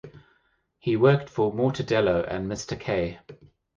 He worked for "Mortadelo" and "Mister K".